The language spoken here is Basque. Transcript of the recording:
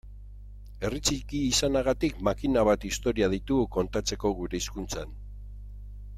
Herri txiki izanagatik makina bat istorio ditugu kontatzeko gure hizkuntzan.